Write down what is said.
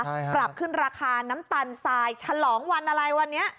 ใช่ปรับขึ้นราคาน้ำตาลทรายฉลองวันอะไรวันนี้